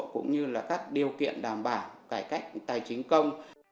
cũng như là các điều kiện đảm bảo cải cách tài chính công